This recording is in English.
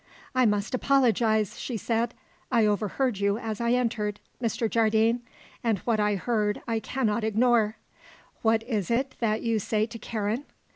"I must apologise," she said. "I overheard you as I entered, Mr. Jardine, and what I heard I cannot ignore. What is it that you say to Karen?